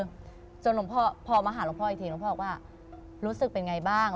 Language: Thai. จนหลวงพ่อพอมาหาหลวงพ่ออีกทีหลวงพ่อบอกว่ารู้สึกเป็นไงบ้าง